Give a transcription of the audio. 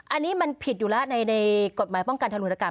อันนี้มันผิดอยู่แล้วในกฎหมายป้องกันธนุรกรรม